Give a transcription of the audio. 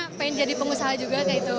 pengen jadi pengusaha juga kayak gitu